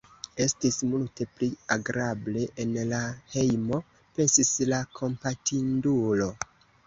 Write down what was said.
"Estis multe pli agrable en la hejmo," pensis la kompatindulo.